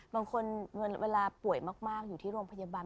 เวลาป่วยมากอยู่ที่โรงพยาบาล